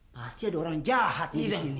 pasti ada orang jahat disini